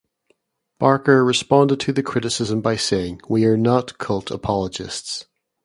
Barker responded to the criticism by saying, We are not cult apologists.